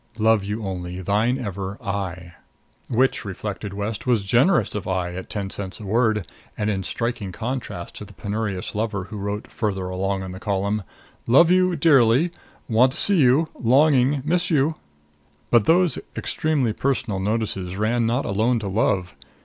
Love you only. Thine ever. AYE. Which, reflected West, was generous of Aye at ten cents a word and in striking contrast to the penurious lover who wrote, farther along in the column: loveu dearly; wantocu; longing; missu But those extremely personal notices ran not alone to love.